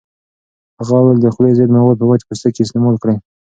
هغه وویل د خولې ضد مواد په وچ پوستکي استعمال کړئ.